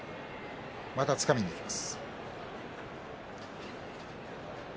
また、つかみにいきます。